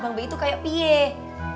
bang p i tuh kayak pieh